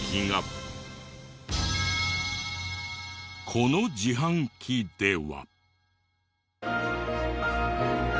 この自販機では。